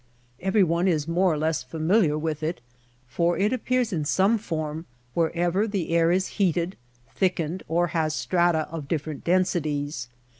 Everyone is more or less familiar with it, for it appears in some form wherever the air is heated, thickened, or has strata of different densities.